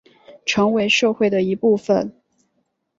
成为社会的一部分